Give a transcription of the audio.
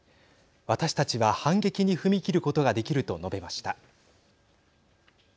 私たちは反撃に踏み切ることができると述べました。